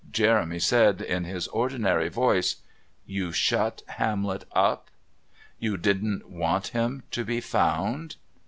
Jeremy said in his ordinary voice: "You shut Hamlet up? You didn't want him to be found?"